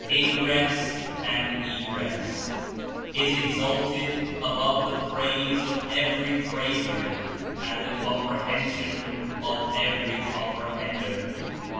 Ingress and egress; Is exalted above the praise of every pralser and the com prehension of every comprehender.